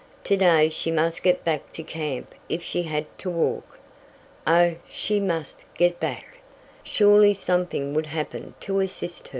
To day she must get back to camp if she had to walk! Oh, she must get back! Surely something would happen to assist her!